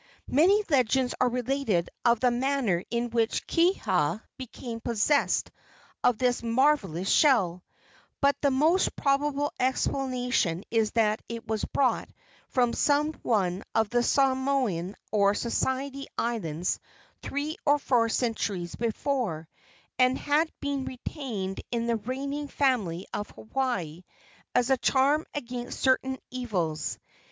Many legends are related of the manner in which Kiha became possessed of this marvellous shell, but the most probable explanation is that it was brought from some one of the Samoan or Society Islands three or four centuries before, and had been retained in the reigning family of Hawaii as a charm against certain evils.